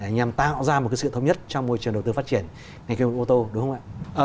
nhằm tạo ra một sự thống nhất trong môi trường đầu tư phát triển ngành công nghiệp ô tô đúng không ạ